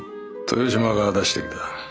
豊島が出してきた。